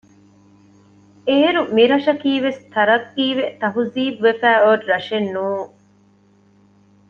އޭރު މިރަށަކީވެސް ތަރައްޤީވެ ތަހްޒީބުވެފައި އޮތް ރަށެއް ނޫން